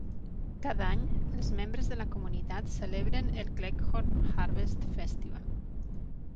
Cada any, els membres de la comunitat celebren el Cleghorn Harvest Festival.